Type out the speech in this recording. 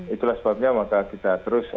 itulah sebabnya maka kita terus